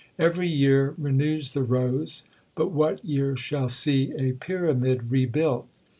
Every year renews the rose, but what year shall see a pyramid rebuilt?